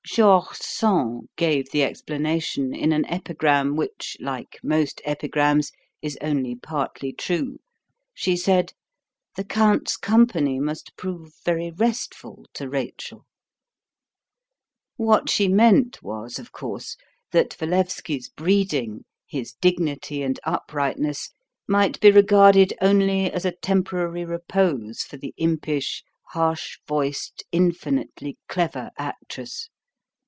George Sand gave the explanation in an epigram which, like most epigrams, is only partly true. She said: "The count's company must prove very restful to Rachel." What she meant was, of course, that Walewski's breeding, his dignity and uprightness, might be regarded only as a temporary repose for the impish, harsh voiced, infinitely clever actress.